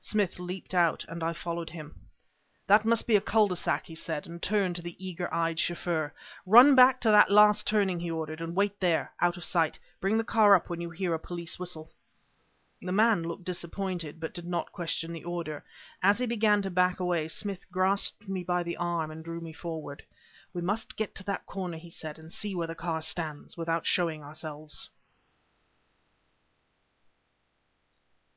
Smith leaped out, and I followed him. "That must be a cul de sac," he said, and turned to the eager eyed chauffeur. "Run back to that last turning," he ordered, "and wait there, out of sight. Bring the car up when you hear a police whistle." The man looked disappointed, but did not question the order. As he began to back away, Smith grasped me by the arm and drew me forward. "We must get to that corner," he said, "and see where the car stands, without showing ourselves."